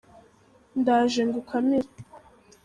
ndaje ngukamire.